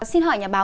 xin hỏi nhà báo